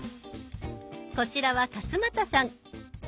こちらは勝俣さん。